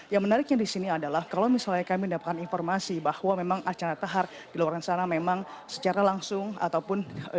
yang menariknya di sini adalah kalau misalnya kami mendapatkan informasi bahwa memang archandra tahar di luar sana memang secara langsung ataupun